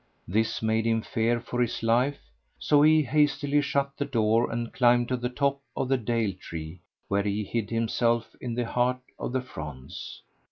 This made him fear for his life, so he hastily shut the door and climbed to the top of the date tree where he hid himself in the heart of the fronds.